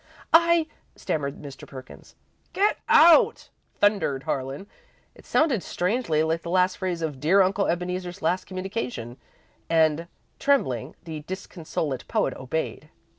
"I " stammered Mr. Perkins. "Get out!" thundered Harlan. It sounded strangely like the last phrase of "dear Uncle Ebeneezer's last communication," and, trembling, the disconsolate poet obeyed.